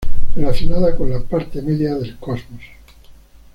Relacionada con la parte media del cosmos.